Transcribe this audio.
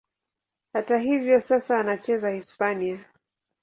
Hata hivyo, sasa anacheza Hispania.